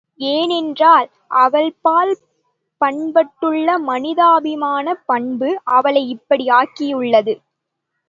ஏனென்றால், அவள்பால் பண்பட்டுள்ள மனிதாபிமானப் பண்பு அவளை இப்படி ஆக்கியுள்ளது.